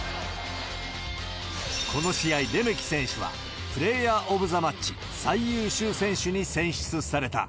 この試合、レメキ選手は、プレーヤーオブザマッチ・最優秀選手に選出された。